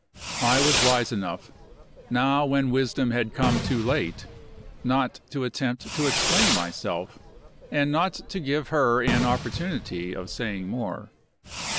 I was wise enough now when wisdom had come too late not to attempt to explain myself, and not to give her an opportunity of saying more.